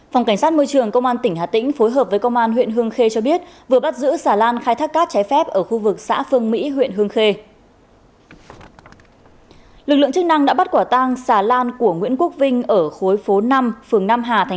phòng cảnh sát môi trường công an tỉnh hà tĩnh phối hợp với công an huyện hương khê cho biết vừa bắt giữ xà lan khai thác cát trái phép ở khu vực xã phương mỹ huyện hương khê